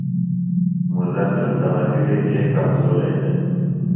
مزمل سبقیۡ وے کے کمزورئی دےۡ؟